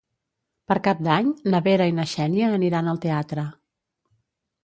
Per Cap d'Any na Vera i na Xènia aniran al teatre.